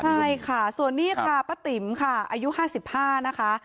ใช่ค่ะส่วนนี่ค่ะป๊าติ๋มค่ะอายุห้าสิบห้านะคะ